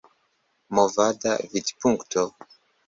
Movada Vidpunkto